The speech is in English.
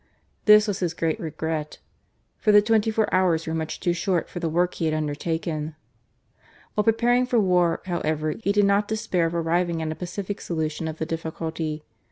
This was his great regret, for the twenty four hours were much too short for the work he had undertaken. While preparing for war, however, he did not despair of arriving at a pacific solution of the difficulty.